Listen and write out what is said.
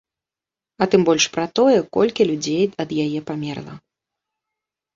А тым больш пра тое, колькі людзей ад яе памерла.